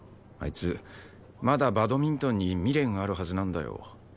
あいつまだバドミントンに未練あるはずなんだよ。